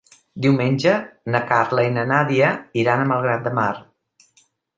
Diumenge na Carla i na Nàdia iran a Malgrat de Mar.